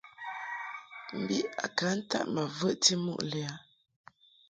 Mbiʼ i ka ntaʼ ma vəʼti muʼ lɛ a.